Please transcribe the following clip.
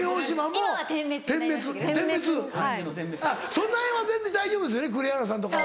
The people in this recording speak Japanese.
そのへんは全然大丈夫ですよね栗原さんとかは。